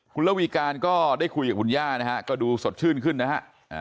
คุณระวีการก็ได้คุยกับคุณย่านะฮะก็ดูสดชื่นขึ้นนะฮะ